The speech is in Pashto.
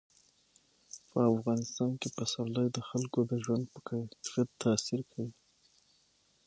په افغانستان کې پسرلی د خلکو د ژوند په کیفیت تاثیر کوي.